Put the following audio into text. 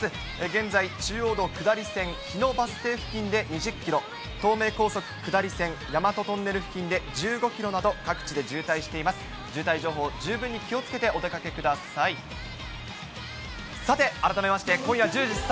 現在、中央道下り線日野バス停付近で２０キロ、東名高速下り線大和トンネル付近で１５キロなど、各地で渋滞しています。